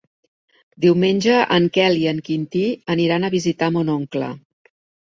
Diumenge en Quel i en Quintí aniran a visitar mon oncle.